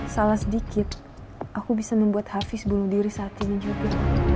salah sedikit aku bisa membuat hafiz bunuh diri saat ini juga